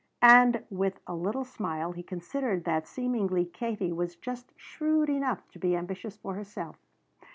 And with a little smile he considered that seemingly Katie was just shrewd enough to be ambitious for herself.